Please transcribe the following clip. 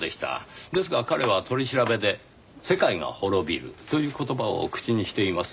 ですが彼は取り調べで世界が滅びるという言葉を口にしています。